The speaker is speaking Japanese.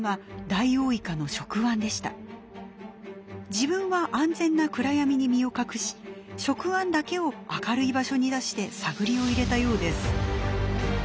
自分は安全な暗闇に身を隠し触腕だけを明るい場所に出して探りを入れたようです。